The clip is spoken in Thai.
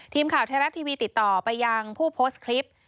ทีมข่าวไทยรัฐทีวีติดต่อไปยังผู้โพสต์คลิป